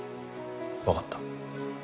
わかった。